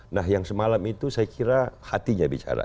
nah yang semalam itu saya kira hatinya bicara